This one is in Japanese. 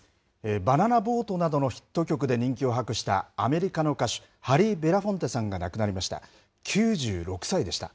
バナナ・ボートなどのヒット曲で人気を博したアメリカの歌手、ハリー・ベラフォンテさんが亡くなりました。